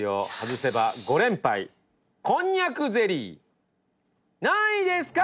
こんにゃくゼリー、何位ですか？